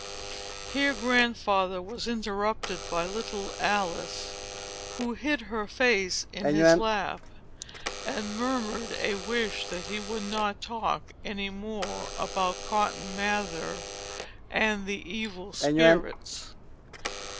Here Grandfather was interrupted by little Alice, who hid her face in his lap, and murmured a wish that he would not talk any more about Cotton Mather and the evil spirits.